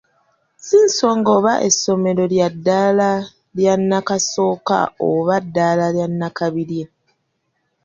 Si nsonga oba essomero lya ddaala nnakasooka oba ddaala nnakabirye.